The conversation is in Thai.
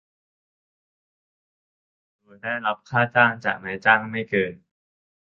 สามารถใช้สิทธิ์ลาป่วยโดยได้รับค่าจ้างจากนายจ้างไม่เกิน